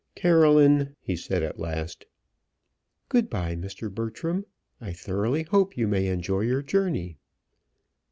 "Caroline!" he said at last. "Good bye, Mr. Bertram. I thoroughly hope you may enjoy your journey."